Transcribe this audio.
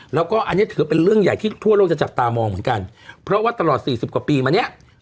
แล้วก็อันนี้ถือเป็นเรื่องใหญ่ที่ทั่วโลกจะจับตามองเหมือนกันเพราะว่าตลอดสี่สิบกว่าปีมาเนี้ย